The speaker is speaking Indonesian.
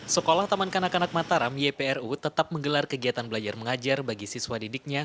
sekolah taman kanak kanak mataram ypru tetap menggelar kegiatan belajar mengajar bagi siswa didiknya